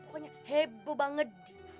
pokoknya heboh banget